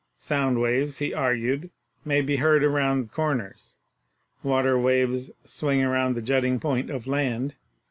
Sound waves, he ar gued, may be heard around corners; water waves swing round a jutting point of land.